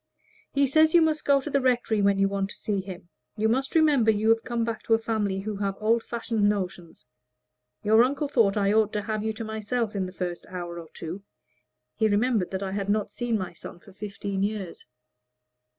"He says you must go to the rectory when you want to see him. You must remember you have come back to a family with old fashioned notions. Your uncle thought I ought to have you to myself in the first hour or two. He remembered that I had not seen my son for fifteen years."